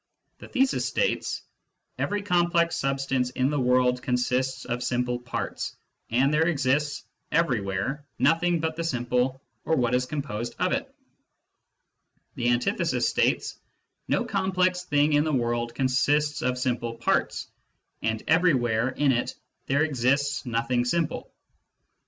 The thesis states :" Every complex substance in the world consists of simple parts, and there exists everywhere nothing but the simple or what is composed of it." The antithesis states: "No complex thing in the world consists of Digitized by Google 158 SCIENTIFIC METHOD IN PHILOSOPHY simple parts, and everywhere in it there exists nothing simple."